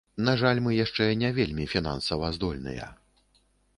На жаль мы яшчэ не вельмі фінансава здольныя.